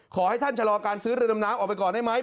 ขอให้ท่านชะลอการซื้อเรือดำน้ำออกไปก่อนได้ไหม